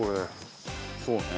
そうね。